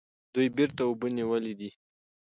دوی بیرته اوبه نیولې دي.